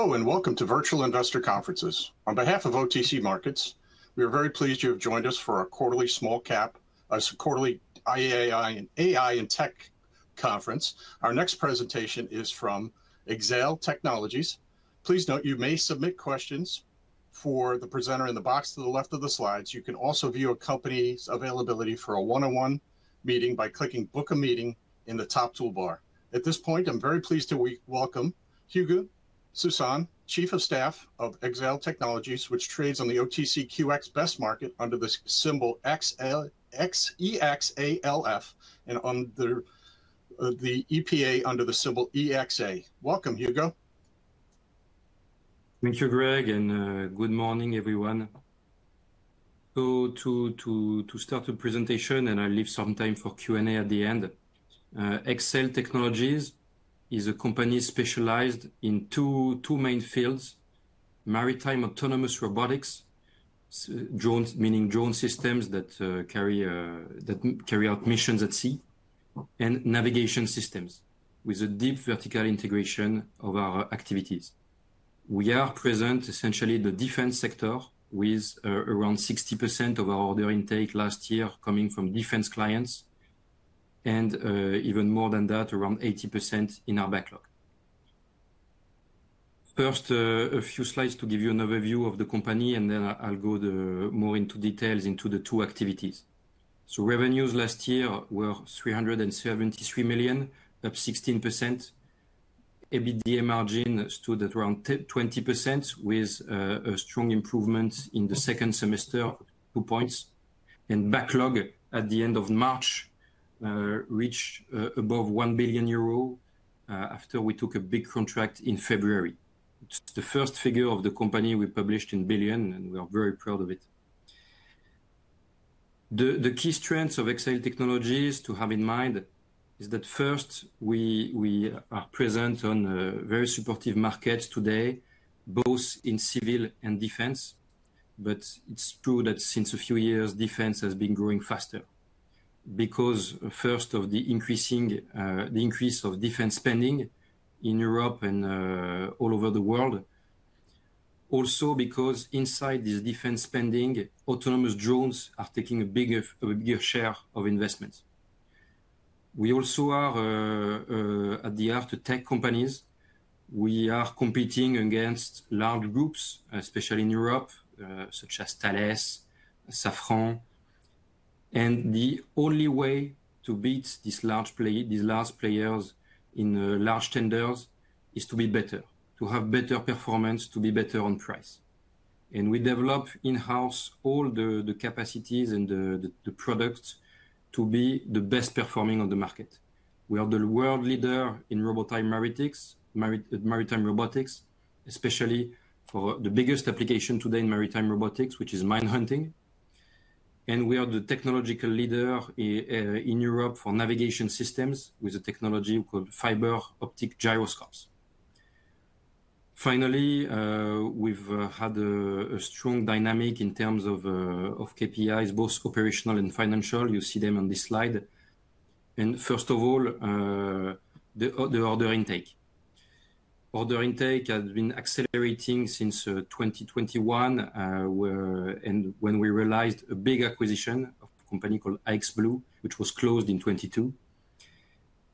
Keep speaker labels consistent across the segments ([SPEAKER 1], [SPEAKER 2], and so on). [SPEAKER 1] Hello, and welcome to Virtual Investor Conferences. On behalf of OTC Markets, we are very pleased you have joined us for our quarterly Small Cap, quarterly AI and Tech Conference. Our next presentation is from Exail Technologies. Please note you may submit questions for the presenter in the box to the left of the slides. You can also view a company's availability for a one-on-one meeting by clicking "Book a Meeting" in the top toolbar. At this point, I'm very pleased to welcome Hugo Soussan, Chief of Staff of Exail Technologies, which trades on the OTCQX Best Market under the symbol EXALF and under the EPA under the symbol EXA. Welcome, Hugo.
[SPEAKER 2] Thank you, Greg, and good morning, everyone. To start the presentation, and I'll leave some time for Q&A at the end, Exail Technologies is a company specialized in two main fields: maritime autonomous robotics, drones, meaning drone systems that carry out missions at sea, and navigation systems with a deep vertical integration of our activities. We are present essentially in the defense sector with around 60% of our order intake last year coming from defense clients, and even more than that, around 80% in our backlog. First, a few slides to give you an overview of the company, and then I'll go more into details into the two activities. Revenues last year were 373 million, up 16%. EBITDA margin stood at around 20% with a strong improvement in the second semester, two points, and backlog at the end of March reached above 1 billion euro after we took a big contract in February. It's the first figure of the company we published in billion, and we are very proud of it. The key strengths of Exail Technologies to have in mind is that first, we are present on very supportive markets today, both in civil and defense. It is true that since a few years, defense has been growing faster because first of the increase of defense spending in Europe and all over the world, also because inside this defense spending, autonomous drones are taking a bigger share of investments. We also are, at the heart of tech companies, we are competing against large groups, especially in Europe, such as Thales, Safran, and the only way to beat these large players in large tenders is to be better, to have better performance, to be better on price. We develop in-house all the capacities and the products to be the best performing on the market. We are the world leader in maritime robotics, especially for the biggest application today in maritime robotics, which is mine hunting. We are the technological leader in Europe for navigation systems with a technology called fiber optic gyroscopes. Finally, we've had a strong dynamic in terms of KPIs, both operational and financial. You see them on this slide. First of all, the order intake. Order intake has been accelerating since 2021, and when we realized a big acquisition of a company called iXBlue, which was closed in 2022.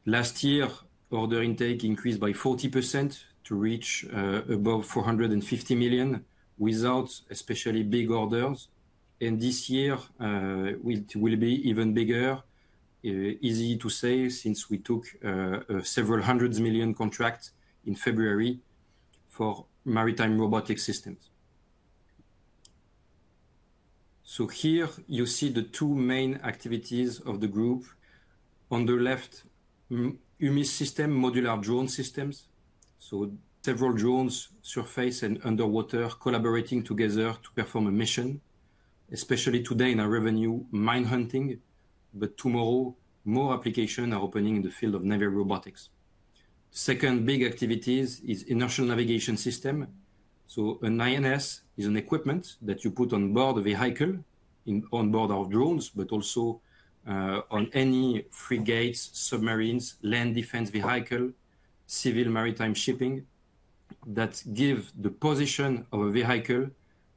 [SPEAKER 2] Last year, order intake increased by 40% to reach above 450 million without especially big orders. This year, it will be even bigger, easy to say, since we took several hundred million contracts in February for maritime robotic systems. Here you see the two main activities of the group. On the left, UMIS system, modular drone systems. Several drones, surface and underwater, collaborating together to perform a mission, especially today in our revenue, mine hunting, but tomorrow more applications are opening in the field of naval robotics. The second big activity is inertial navigation system. An INS is an equipment that you put on board a vehicle, on board our drones, but also on any frigates, submarines, land defense vehicle, civil maritime shipping that gives the position of a vehicle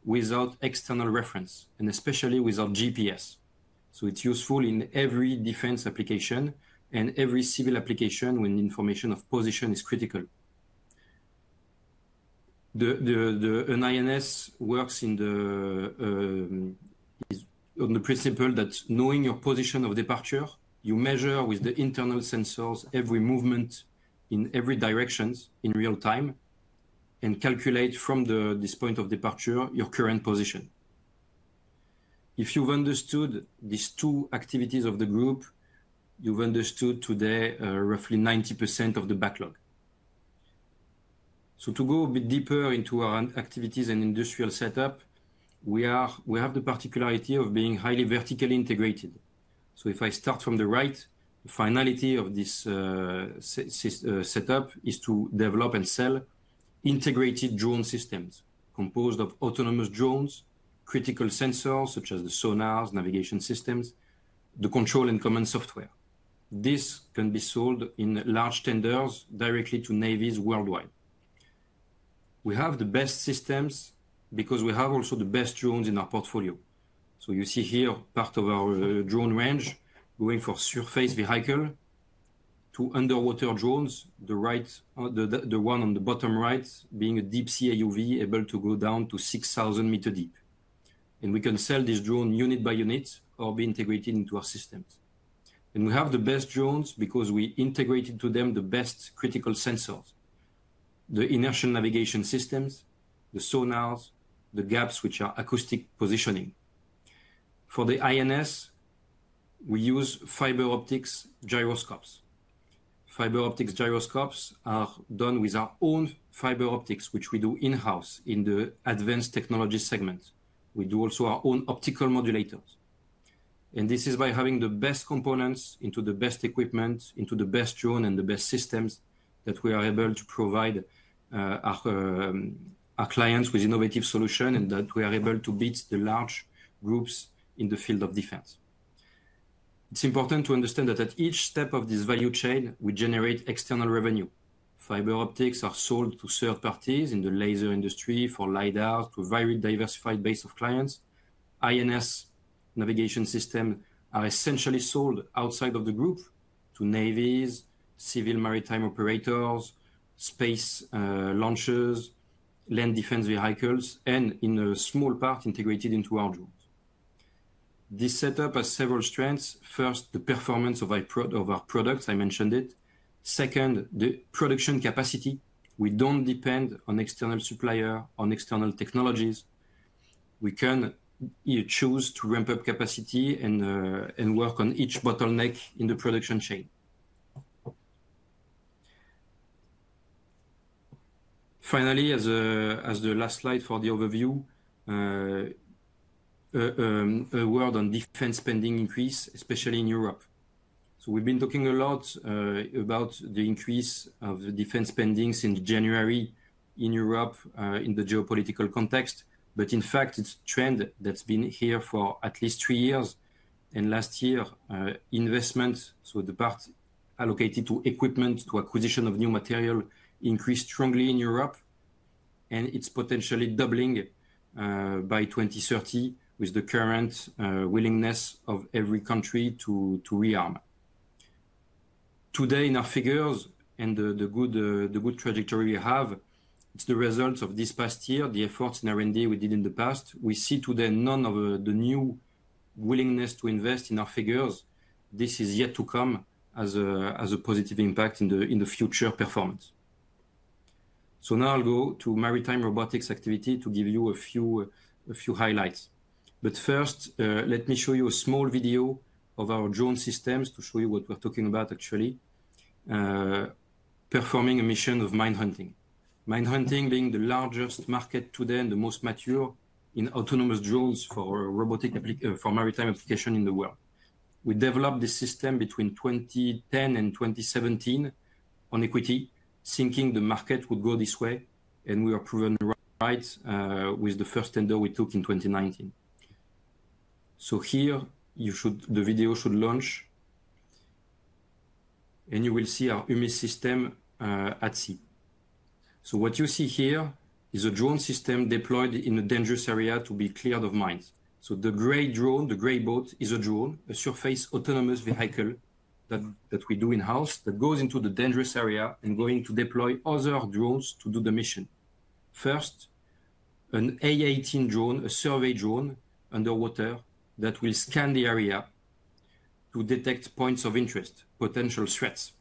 [SPEAKER 2] without external reference, and especially without GPS. It is useful in every defense application and every civil application when information of position is critical. An INS works on the principle that knowing your position of departure, you measure with the internal sensors every movement in every direction in real time and calculate from this point of departure your current position. If you have understood these two activities of the group, you have understood today roughly 90% of the backlog. To go a bit deeper into our activities and industrial setup, we have the particularity of being highly vertically integrated. If I start from the right, the finality of this setup is to develop and sell integrated drone systems composed of autonomous drones, critical sensors such as the sonars, navigation systems, the control and command software. This can be sold in large tenders directly to navies worldwide. We have the best systems because we have also the best drones in our portfolio. You see here part of our drone range going for surface vehicle to underwater drones, the one on the bottom right being a deep sea UV able to go down to 6,000 m deep. We can sell this drone unit by unit or be integrated into our systems. We have the best drones because we integrated to them the best critical sensors, the inertial navigation systems, the sonars, the gaps which are acoustic positioning. For the INS, we use fiber optic gyroscopes. Fiber optic gyroscopes are done with our own fiber optics, which we do in-house in the advanced technology segment. We do also our own optical modulators. This is by having the best components into the best equipment, into the best drone and the best systems that we are able to provide our clients with innovative solutions and that we are able to beat the large groups in the field of defense. It's important to understand that at each step of this value chain, we generate external revenue. Fiber optics are sold to third parties in the laser industry for LiDAR to a very diversified base of clients. INS navigation systems are essentially sold outside of the group to navies, civil maritime operators, space launchers, land defense vehicles, and in a small part integrated into our drones. This setup has several strengths. First, the performance of our products, I mentioned it. Second, the production capacity. We do not depend on external suppliers, on external technologies. We can choose to ramp up capacity and work on each bottleneck in the production chain. Finally, as the last slide for the overview, a word on defense spending increase, especially in Europe. We have been talking a lot about the increase of defense spending since January in Europe in the geopolitical context, but in fact, it is a trend that has been here for at least three years. Last year, investment, so the part allocated to equipment, to acquisition of new material, increased strongly in Europe, and it is potentially doubling by 2030 with the current willingness of every country to rearm. Today, in our figures and the good trajectory we have, it is the result of this past year, the efforts in R&D we did in the past. We see today none of the new willingness to invest in our figures. This is yet to come as a positive impact in the future performance. Now I'll go to maritime robotics activity to give you a few highlights. First, let me show you a small video of our drone systems to show you what we're talking about actually, performing a mission of mine hunting. Mine hunting being the largest market today and the most mature in autonomous drones for maritime application in the world. We developed this system between 2010 and 2017 on equity, thinking the market would go this way, and we were proven right with the first tender we took in 2019. Here, the video should launch, and you will see our UMIS system at sea. What you see here is a drone system deployed in a dangerous area to be cleared of mines. The gray drone, the gray boat, is a drone, a surface autonomous vehicle that we do in-house that goes into the dangerous area and is going to deploy other drones to do the mission. First, an A18 drone, a survey drone underwater, will scan the area to detect points of interest, potential threats.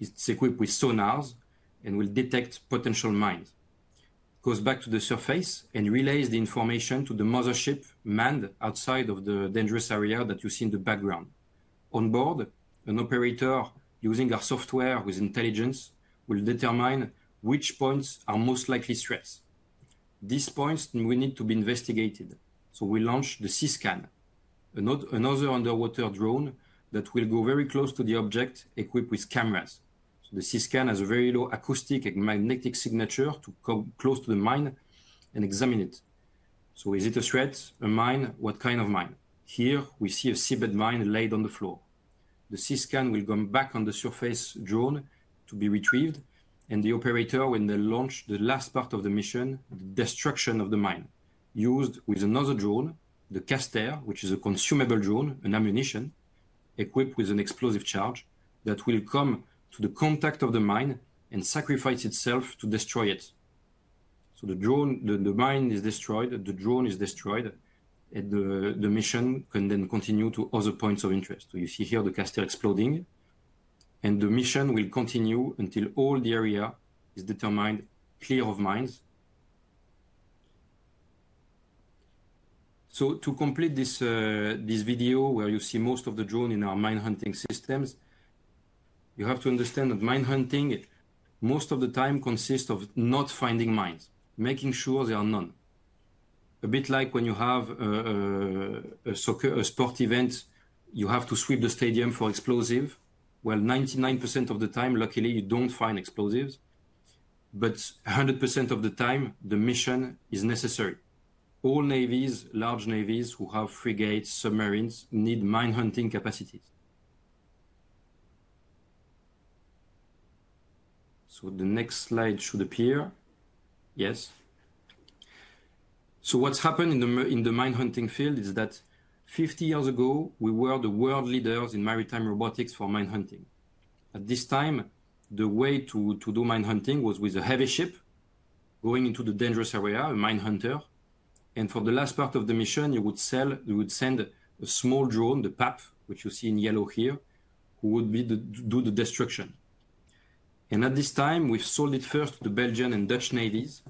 [SPEAKER 2] It is equipped with sonars and will detect potential mines. It goes back to the surface and relays the information to the mothership manned outside of the dangerous area that you see in the background. On board, an operator using our software with intelligence will determine which points are most likely threats. These points will need to be investigated. We launch the Seascan, another underwater drone that will go very close to the object equipped with cameras. The Seascan has a very low acoustic and magnetic signature to come close to the mine and examine it. Is it a threat, a mine, what kind of mine? Here we see a seabed mine laid on the floor. The Seascan will come back on the surface drone to be retrieved, and the operator, when they launch the last part of the mission, the destruction of the mine, used with another drone, the K-Ster, which is a consumable drone, an ammunition equipped with an explosive charge that will come to the contact of the mine and sacrifice itself to destroy it. The mine is destroyed, the drone is destroyed, and the mission can then continue to other points of interest. You see here the K-Ster exploding, and the mission will continue until all the area is determined clear of mines. To complete this video where you see most of the drone in our mine hunting systems, you have to understand that mine hunting most of the time consists of not finding mines, making sure there are none. A bit like when you have a sport event, you have to sweep the stadium for explosives. 99% of the time, luckily, you do not find explosives, but 100% of the time, the mission is necessary. All navies, large navies who have frigates, submarines need mine hunting capacities. The next slide should appear. Yes. What has happened in the mine hunting field is that 50 years ago, we were the world leaders in maritime robotics for mine hunting. At this time, the way to do mine hunting was with a heavy ship going into the dangerous area, a mine hunter. For the last part of the mission, you would send a small drone, the PAP, which you see in yellow here, who would do the destruction. At this time, we sold it first to the Belgian and Dutch navies.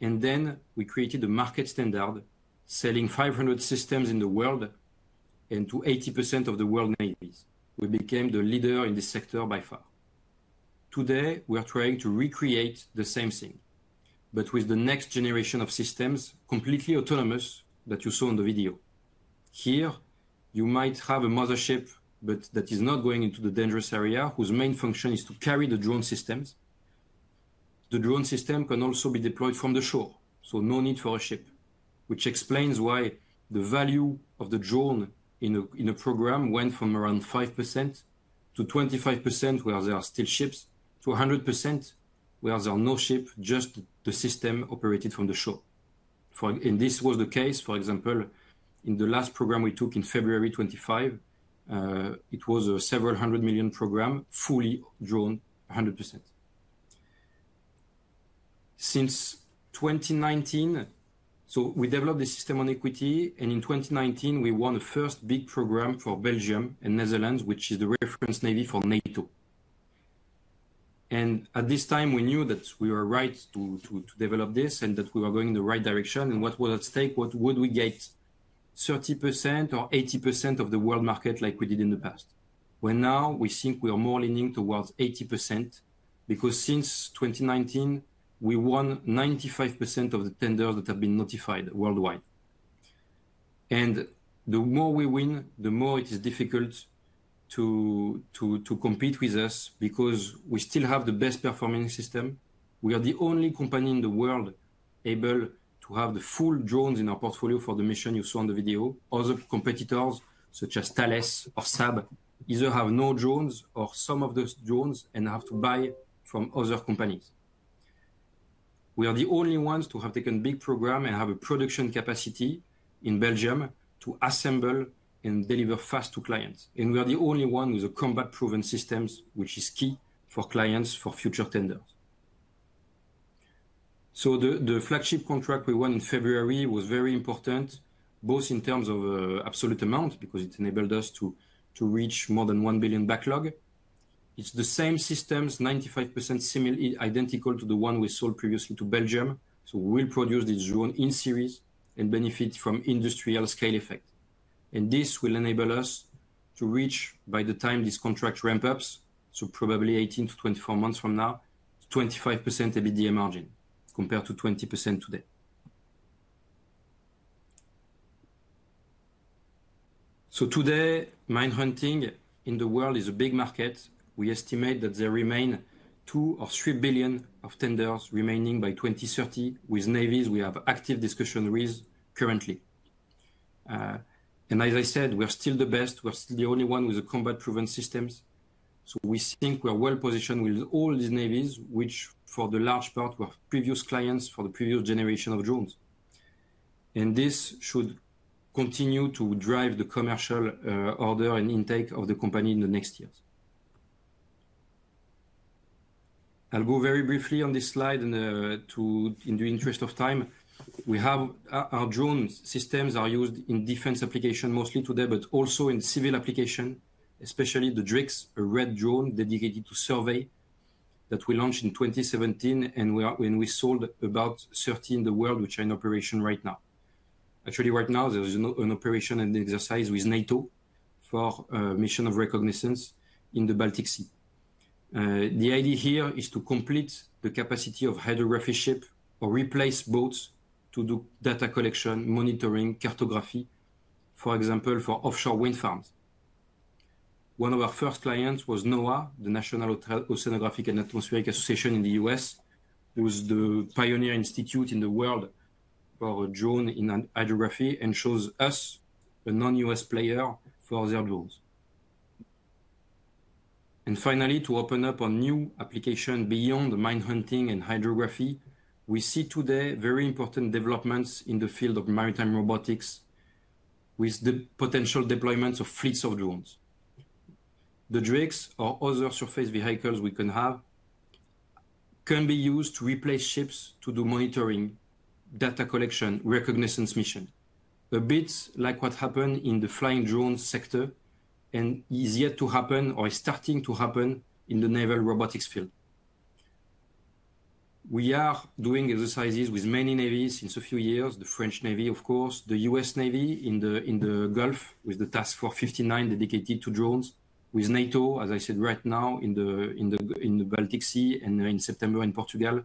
[SPEAKER 2] We created a market standard selling 500 systems in the world and to 80% of the world navies. We became the leader in this sector by far. Today, we are trying to recreate the same thing, but with the next generation of systems completely autonomous that you saw in the video. Here, you might have a mothership, but that is not going into the dangerous area whose main function is to carry the drone systems. The drone system can also be deployed from the shore, so no need for a ship, which explains why the value of the drone in a program went from around 5% to 25% where there are still ships to 100% where there are no ships, just the system operated from the shore. This was the case, for example, in the last program we took in February 2025. It was a several hundred million program, fully drone, 100%. Since 2019, we developed the system on equity, and in 2019, we won a first big program for Belgium and Netherlands, which is the reference navy for NATO. At this time, we knew that we were right to develop this and that we were going the right direction. What was at stake? What would we get? 30% or 80% of the world market like we did in the past. Now we think we are more leaning towards 80% because since 2019, we won 95% of the tenders that have been notified worldwide. The more we win, the more it is difficult to compete with us because we still have the best performing system. We are the only company in the world able to have the full drones in our portfolio for the mission you saw in the video. Other competitors such as Thales or Saab either have no drones or some of those drones and have to buy from other companies. We are the only ones to have taken a big program and have a production capacity in Belgium to assemble and deliver fast to clients. We are the only one with combat-proven systems, which is key for clients for future tenders. The flagship contract we won in February was very important, both in terms of absolute amount because it enabled us to reach more than 1 billion backlog. It's the same systems, 95% identical to the one we sold previously to Belgium. We will produce this drone in series and benefit from industrial scale effect. This will enable us to reach, by the time this contract ramps up, probably 18-24 months from now, 25% EBITDA margin compared to 20% today. Today, mine hunting in the world is a big market. We estimate that there remain 2 billion of 3 billion of tenders remaining by 2030. With navies, we have active discussions currently. As I said, we're still the best. We're still the only one with combat-proven systems. We think we're well positioned with all these navies, which for the large part were previous clients for the previous generation of drones. This should continue to drive the commercial order and intake of the company in the next years. I'll go very briefly on this slide in the interest of time. Our drone systems are used in defense application mostly today, but also in civil application, especially the DriX, a red drone dedicated to survey that we launched in 2017, and we sold about 30 in the world, which are in operation right now. Actually, right now, there's an operation and exercise with NATO for a mission of reconnaissance in the Baltic Sea. The idea here is to complete the capacity of hydrography ship or replace boats to do data collection, monitoring, cartography, for example, for offshore wind farms. One of our first clients was NOAA, the National Oceanic and Atmospheric Administration in the U.S., who is the pioneer institute in the world for drones in hydrography and shows us a non-U.S. player for their drones. Finally, to open up a new application beyond mine hunting and hydrography, we see today very important developments in the field of maritime robotics with the potential deployments of fleets of drones. The DriX or other surface vehicles we can have can be used to replace ships to do monitoring, data collection, reconnaissance mission, a bit like what happened in the flying drone sector and is yet to happen or is starting to happen in the naval robotics field. We are doing exercises with many navies in a few years, the French Navy, of course, the U.S. Navy in the Gulf with the Task Force 59 dedicated to drones, with NATO, as I said, right now in the Baltic Sea and in September in Portugal.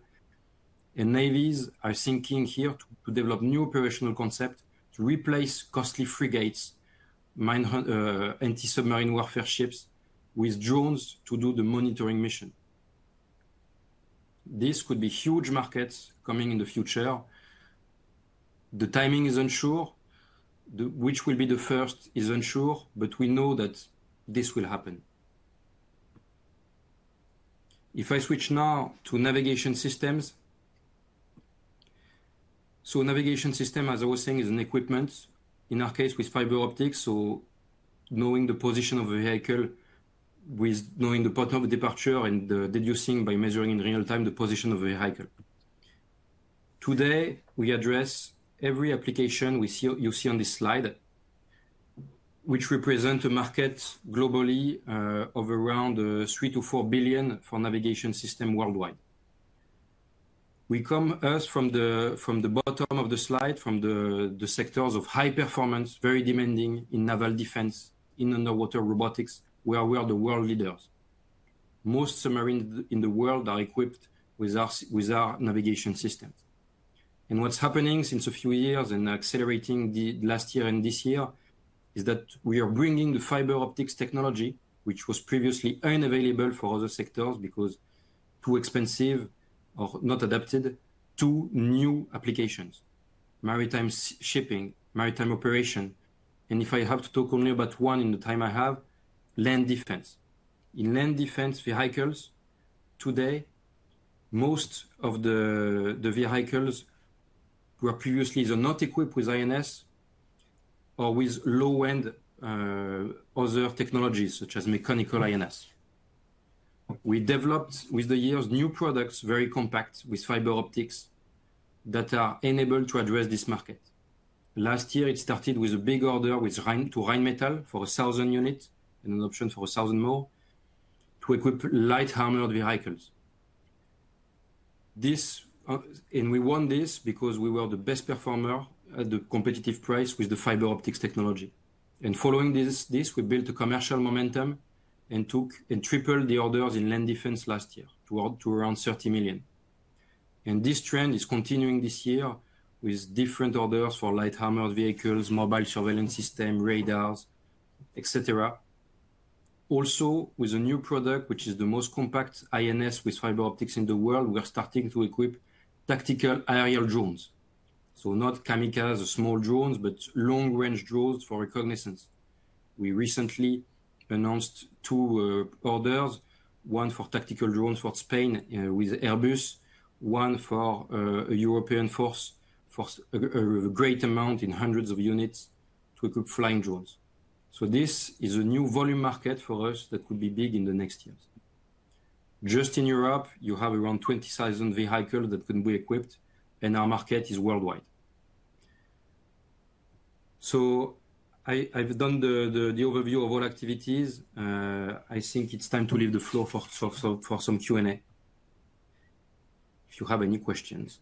[SPEAKER 2] Navies are thinking here to develop new operational concepts to replace costly frigates, anti-submarine warfare ships with drones to do the monitoring mission. This could be huge markets coming in the future. The timing is unsure, which will be the first is unsure, but we know that this will happen. If I switch now to navigation systems, so navigation system, as I was saying, is an equipment, in our case with fiber optics, so knowing the position of a vehicle with knowing the point of departure and deducing by measuring in real time the position of a vehicle. Today, we address every application you see on this slide, which represents a market globally of around 3 billion-4 billion for navigation system worldwide. We come from the bottom of the slide, from the sectors of high performance, very demanding in naval defense, in underwater robotics, where we are the world leaders. Most submarines in the world are equipped with our navigation systems. What is happening since a few years and accelerating last year and this year is that we are bringing the fiber optics technology, which was previously unavailable for other sectors because too expensive or not adapted to new applications, maritime shipping, maritime operation. If I have to talk only about one in the time I have, land defense. In land defense vehicles today, most of the vehicles were previously not equipped with INS or with low-end other technologies such as mechanical INS. We developed with the years new products, very compact with fiber optics that are enabled to address this market. Last year, it started with a big order to Rheinmetall for 1,000 units and an option for 1,000 more to equip light armored vehicles. We won this because we were the best performer at the competitive price with the fiber optics technology. Following this, we built a commercial momentum and tripled the orders in land defense last year to around 30 million. This trend is continuing this year with different orders for light armored vehicles, mobile surveillance system, radars, etc. Also, with a new product, which is the most compact INS with fiber optics in the world, we're starting to equip tactical aerial drones. Not kamikaze, small drones, but long-range drones for reconnaissance. We recently announced two orders, one for tactical drones for Spain with Airbus, one for a European force for a great amount in hundreds of units to equip flying drones. This is a new volume market for us that could be big in the next years. Just in Europe, you have around 20,000 vehicles that can be equipped, and our market is worldwide. I have done the overview of all activities. I think it is time to leave the floor for some Q&A. If you have any questions.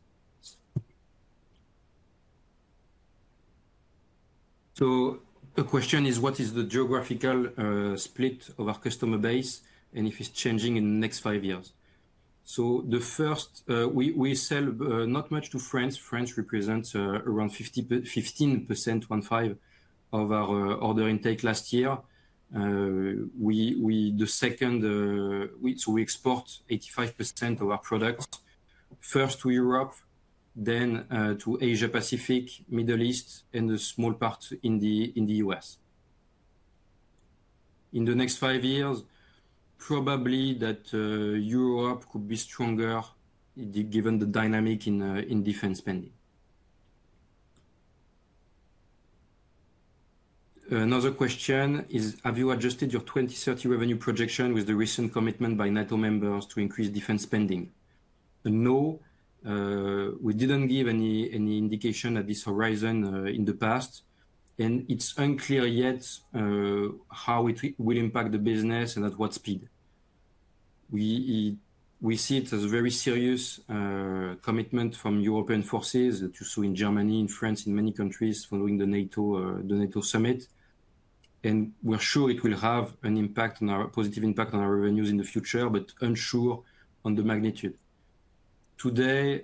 [SPEAKER 2] The question is, what is the geographical split of our customer base and if it is changing in the next five years? The first, we sell not much to France. France represents around 15%, 15 of our order intake last year. The second, so we export 85% of our products first to Europe, then to Asia Pacific, Middle East, and a small part in the U.S. In the next five years, probably that Europe could be stronger given the dynamic in defense spending. Another question is, have you adjusted your 2030 revenue projection with the recent commitment by NATO members to increase defense spending? No. We did not give any indication at this horizon in the past, and it is unclear yet how it will impact the business and at what speed. We see it as a very serious commitment from European forces, to see in Germany, in France, in many countries following the NATO summit. We are sure it will have an impact on our positive impact on our revenues in the future, but unsure on the magnitude. Today,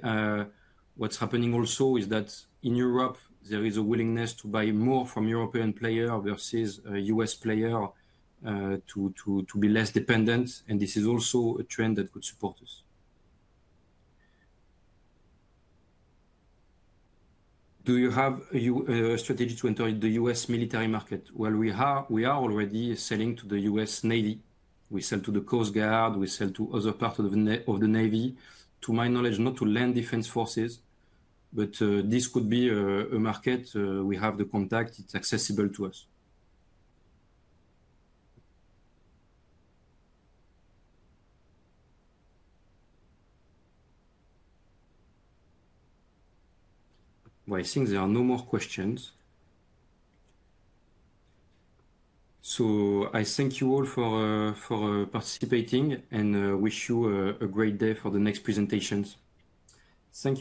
[SPEAKER 2] what's happening also is that in Europe, there is a willingness to buy more from European players versus U.S. players to be less dependent, and this is also a trend that could support us. Do you have a strategy to enter the U.S. military market? We are already selling to the U.S. Navy. We sell to the Coast Guard. We sell to other parts of the Navy, to my knowledge, not to land defense forces, but this could be a market. We have the contact. It's accessible to us. I think there are no more questions. I thank you all for participating and wish you a great day for the next presentations. Thank you.